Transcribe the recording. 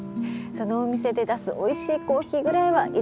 そのお店で出すおいしいコーヒーぐらいは